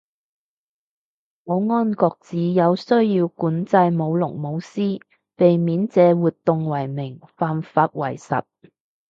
保安局指有需要管制舞龍舞獅，避免借活動為名犯法為實